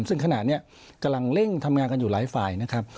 ซึ่งขณะนี้กำลังเร่งทำงานกันอยู่หลายฝ่ายนะครับ